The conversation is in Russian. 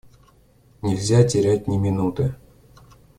Нельзя терять ни минуты.